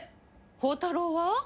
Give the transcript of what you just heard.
宝太郎は？